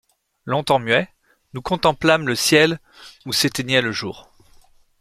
Longtemps muets, nous contemplâmes Le ciel où s’éteignait le jour.